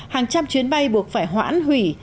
hàng trăm chuyến bay buộc phải hoãn hủy